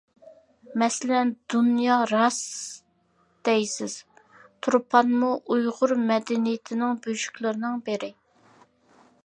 مەسىلەن دۇنيا. راست دەيسىز! تۇرپانمۇ ئۇيغۇر مەدەنىيىتىنىڭ بۆشۈكلىرىنىڭ بىرى!